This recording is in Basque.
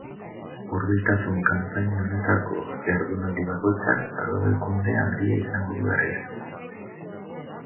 Hurbiltasun kanpaina honetako jardunaldi bakoitzak zabalkunde handia izango du herrian.